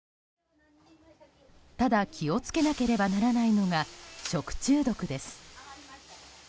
ただ、気を付けなければならないのが食中毒です。